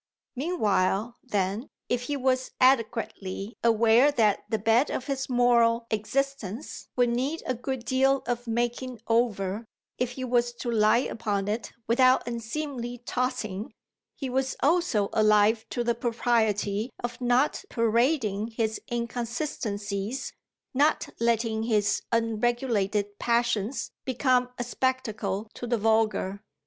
Meanwhile then, if he was adequately aware that the bed of his moral existence would need a good deal of making over if he was to lie upon it without unseemly tossing, he was also alive to the propriety of not parading his inconsistencies, not letting his unregulated passions become a spectacle to the vulgar.